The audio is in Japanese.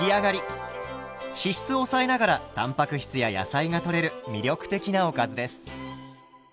脂質を抑えながらたんぱく質や野菜がとれる魅力的なおかずです。